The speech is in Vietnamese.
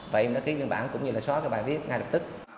và em đã ký biên bản cũng như là xóa cái bài viết ngay lập tức